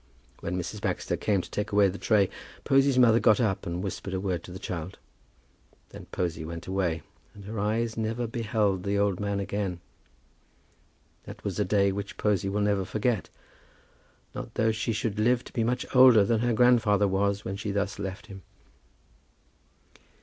When Mrs. Baxter came to take away the tray, Posy's mother got up, and whispered a word to the child. Then Posy went away, and her eyes never beheld the old man again. That was a day which Posy will never forget, not though she should live to be much older than her grandfather was when she thus left him.